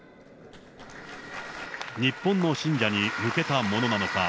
日本の信者に向けたものなのか。